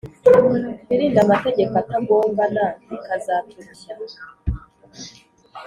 twirinde amategeko atagongana bikazaturushya